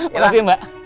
terima kasih mbak